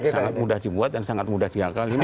sangat mudah dibuat dan sangat mudah diakal